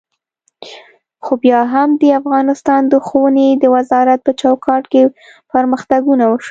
خو بیا هم د افغانستان د ښوونې د وزارت په چوکاټ کې پرمختګونه وشول.